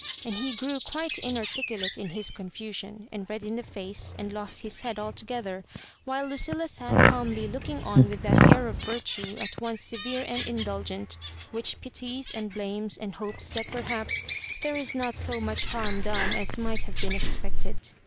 And he grew quite inarticulate in his confusion, and red in the face, and lost his head altogether, while Lucilla sat calmly looking on with that air of virtue at once severe and indulgent, which pities, and blames, and hopes that perhaps there is not so much harm done as might have been expect ed.